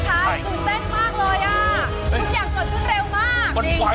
ทุกอย่างก่อนทุกอย่างเร็วมาก